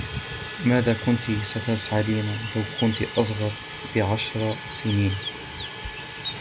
ماذا كنتِ ستفعلينَ لو كُنتِ أصغر بعشر سنين؟